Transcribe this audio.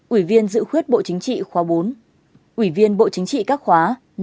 ủy viên dự khuyết bộ chính trị khóa bốn ủy viên bộ chính trị các khóa năm sáu bảy